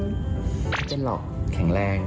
ไม่เป็นหรอกแข็งแรง